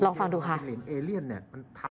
มืม